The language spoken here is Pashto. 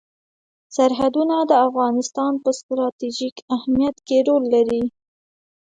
سرحدونه د افغانستان په ستراتیژیک اهمیت کې رول لري.